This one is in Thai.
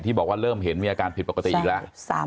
บอกว่าเริ่มเห็นมีอาการผิดปกติอีกแล้ว